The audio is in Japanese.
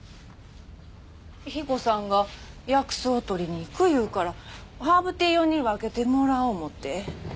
彦さんが薬草を採りに行くいうからハーブティー用に分けてもらおう思て。